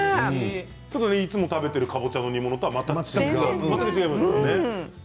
いつも食べているかぼちゃの煮物とは全然違いますよね。